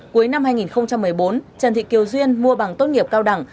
cuối năm hai nghìn một mươi bốn trần thị kiều duyên mua bằng tốt nghiệp cao đẳng